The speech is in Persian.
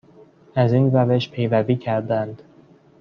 از این روش پیروی کردند